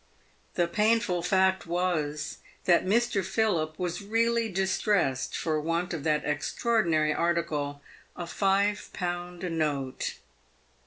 The painful fact was, that Mr. Philip was really distressed for want of that extraordinary article, a five pound note.